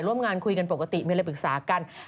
ร่วมงานคุยกันปกติมีอะไรปรึกษากัน